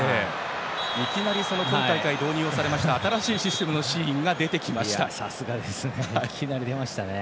いきなり今大会導入された新しいシステムのシーンがさすがですね。